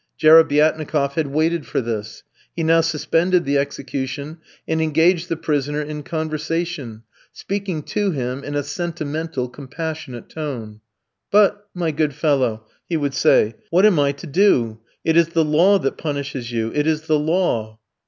Jerebiatnikof had waited for this. He now suspended the execution, and engaged the prisoner in conversation, speaking to him in a sentimental, compassionate tone. "But, my good fellow," he would say, "what am I to do? It is the law that punishes you it is the law."